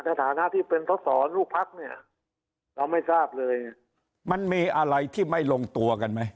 ในฐานะที่เป็นสอสอลูกพักเนี่ยเราไม่ทราบเลยมันมีอะไรที่ไม่ลงตัวกันไหม